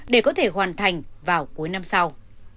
để có thể hoàn thành vào cuối năm sau